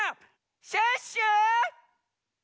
シュッシュ！